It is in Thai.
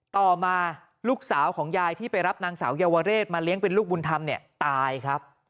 ต่อมาลูกสาวของยายที่ไปรับนางสาวเยาวเรศมาเลี้ยงเป็นลูกบุญธรรมเนี่ยตายครับ